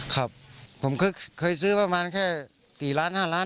ครับผมเคยซื้อประมาณแค่๔ล้าน๕ล้าน